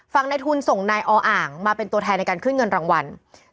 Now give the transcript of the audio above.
ในทุนส่งนายออ่างมาเป็นตัวแทนในการขึ้นเงินรางวัล